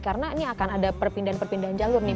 karena ini akan ada perpindahan perpindahan jalur nih